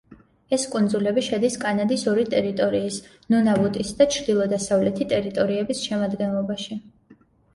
ეს კუნძულები შედის კანადის ორი ტერიტორიის ნუნავუტის და ჩრდილო-დასავლეთი ტერიტორიების შემადგენლობაში.